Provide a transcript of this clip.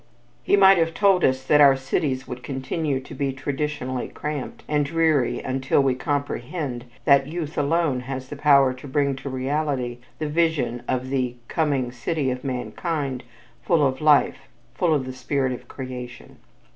He might have told us that our cities would continue to be traditionally cramped and dreary until we comprehend that youth alone has the power to bring to reality the vision of the "Coming City of Mankind, full of life, full of the spirit of creation."